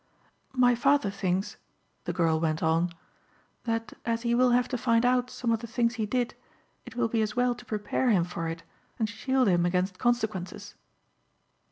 "My father thinks," the girl went on, "that as he will have to find out some of the things he did it will be as well to prepare him for it and shield him against consequences."